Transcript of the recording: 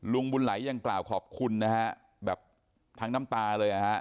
ลุงบุญไหลยังกล่าวขอบคุณนะฮะแบบทั้งน้ำตาเลยนะฮะ